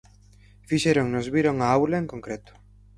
Fixéronnos vir a unha aula en concreto.